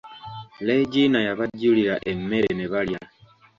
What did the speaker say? Leegina yabajjulira emmere ne balya.